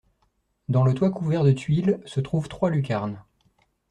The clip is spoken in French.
Dans le toit couvert de tuiles se trouvent trois lucarnes.